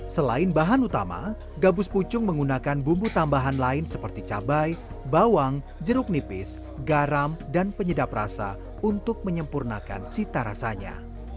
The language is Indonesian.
selain bahan utama gabus pucung menggunakan bumbu tambahan lain seperti cabai bawang jeruk nipis garam dan penyedap rasa untuk menyempurnakan cita rasanya